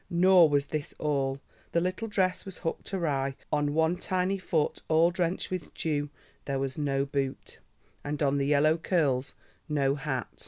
Nor was this all. The little dress was hooked awry, on one tiny foot all drenched with dew there was no boot, and on the yellow curls no hat.